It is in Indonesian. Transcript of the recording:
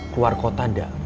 keluar kota gak